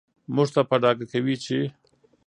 موږ ته په ډاګه کوي چې